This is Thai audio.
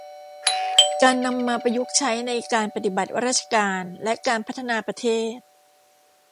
การนำมาประยุกต์ใช้ในการปฏิบัติราชการและการพัฒนาประเทศ